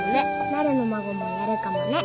なるの孫もやるかもね。